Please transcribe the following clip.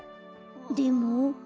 でも？